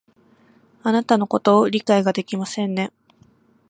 あなたのことを理解ができませんね